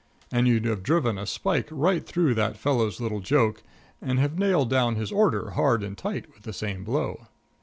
And you'd have driven a spike right through that fellow's little joke and have nailed down his order hard and tight with the same blow.